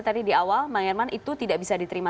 tadi di awal bang herman itu tidak bisa diterima